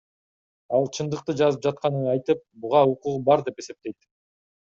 Ал чындыкты жазып жатканын айтып, буга укугу бар деп эсептейт.